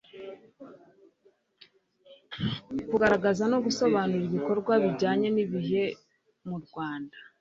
kugaragaza no gusobamura ibikorwa bijyanye n'ibihe mu rwanda